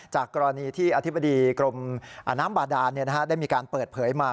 จากกรณีที่อธิบดีกรมน้ำบาดานได้มีการเปิดเผยมา